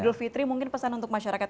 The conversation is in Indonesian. idul fitri mungkin pesan untuk masyarakat